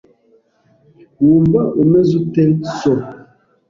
Wumva umeze ute so?